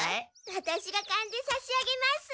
ワタシがかんでさし上げます。